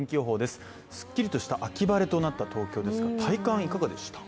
すっきりとした秋晴れとなった東京ですが体感いかがでした？